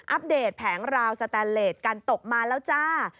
อัปเดตแผงราวสแตนเลสกันตกมาแล้วจ้า